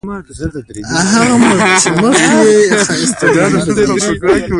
هغه مزد چې مخکې یې اخیست ورباندې بندېږي